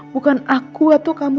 bukan aku atau kamu